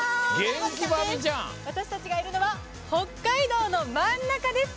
私たちがいるのが北海道の真ん中です。